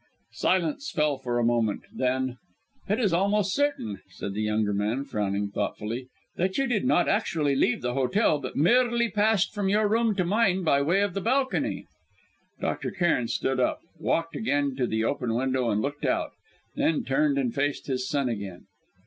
Silence fell for a moment. Then: "It is almost certain," said the younger man, frowning thoughtfully, "that you did not actually leave the hotel, but merely passed from your room to mine by way of the balcony." Dr. Cairn stood up, walked to the open window, and looked out, then turned and faced his son again.